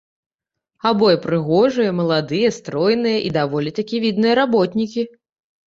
Абое прыгожыя, маладыя, стройныя, і даволі такі відныя работнікі.